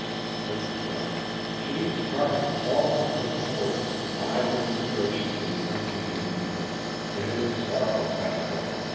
I said to myself, "She has parted with all her little hoard to buy the consideration of these unpitying people it is a sorrowful spectacle."